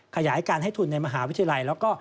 ขยายการให้ทุนในมหาวิทยาลัยแล้วก็